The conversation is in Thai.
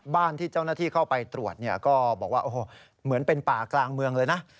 บ้านที่เจ้าหน้าที่เข้าไปตรวจเนี่ยก็บอกว่าโอ้โหเหมือนเป็นป่ากลางเมืองเลยนะ